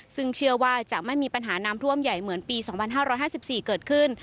ซึ่งเชื่อว่าจะไม่มีปัญหาน้ำท่วมใหญ่เหมือนปี๒๕๕๔เกิดขึ้น